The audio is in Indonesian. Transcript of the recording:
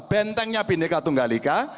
bentengnya bhinneka tunggalika